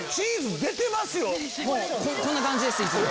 こんな感じですいつも。